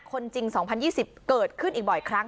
คนจริง๒๐๒๐เกิดขึ้นอีกบ่อยครั้ง